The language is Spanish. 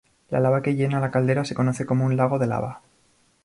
La lava que llena la caldera se conoce como un "lago de lava".